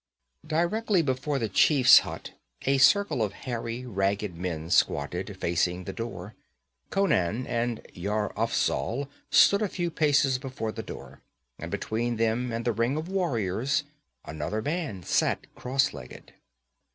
Directly before the chief's hut a circle of hairy, ragged men squatted, facing the door. Conan and Yar Afzal stood a few paces before the door, and between them and the ring of warriors another man sat cross legged.